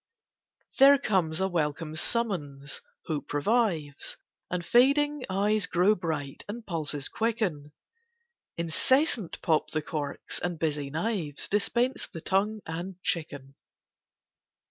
There comes a welcome summons—hope revives, And fading eyes grow bright, and pulses quicken: Incessant pop the corks, and busy knives Dispense the tongue and chicken.